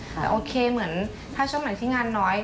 โอเคเหมือนถ้าช่วงไหนที่งานน้อย